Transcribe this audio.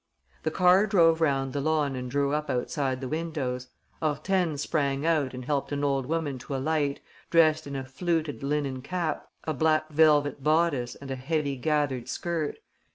The car drove round the lawn and drew up outside the windows. Hortense sprang out and helped an old woman to alight, dressed in a fluted linen cap, a black velvet bodice and a heavy gathered skirt.